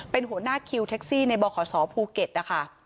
เป็นหัวหน้าคิวแท็กซี่ในบขศภูเก็ตนะคะ